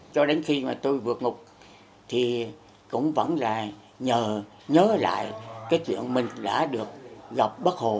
cho đến khi mà tôi vượt ngục thì cũng vẫn là nhớ lại cái chuyện mình đã được gặp bác hồ